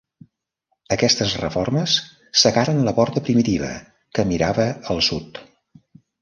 Aquestes reformes cegaren la porta primitiva, que mirava al sud.